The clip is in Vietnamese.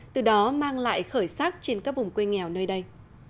từ đó mang lại khởi sắc trên các vùng quê nghèo nơi đây